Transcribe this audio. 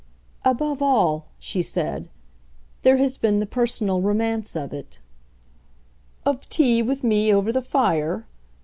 "Above all," she said, "there has been the personal romance of it." "Of tea with me over the fire?